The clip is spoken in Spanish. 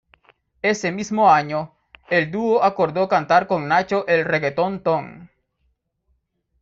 Ese mismo año, el dúo acordó cantar con Nacho el "Reggaeton ton".